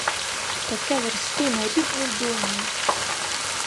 Таке верзти на рідну доню!